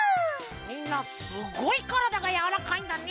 みんなすごいからだがやわらかいんだね。